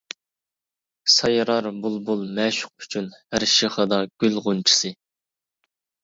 سايرار بۇلبۇل مەشۇق ئۈچۈن، ھەر شېخىدا گۈل غۇنچىسى.